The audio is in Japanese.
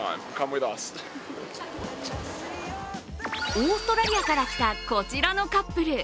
オーストラリアから来たこちらのカップル。